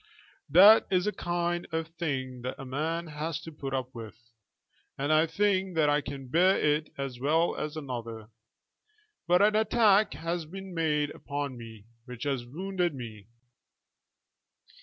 That is a kind of thing that a man has to put up with, and I think that I can bear it as well as another. But an attack has been made upon me which has wounded me."